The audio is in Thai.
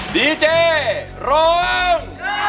ดีเจร้อง